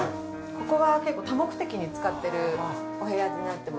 ここは結構多目的に使ってるお部屋になってます。